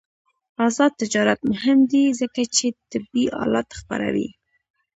آزاد تجارت مهم دی ځکه چې طبي آلات خپروي.